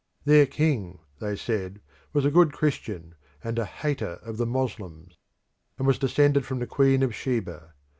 Their king, they said, was a good Christian and a hater of the Moslems, and was descended from the Queen of Sheba.